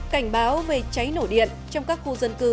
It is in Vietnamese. cảnh báo về cháy nổ điện trong các khu dân cư